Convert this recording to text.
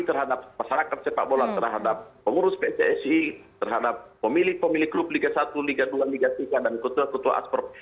terhadap masyarakat sepak bola terhadap pengurus pssi terhadap pemilik pemilik klub liga satu liga dua liga tiga dan ketua ketua asprop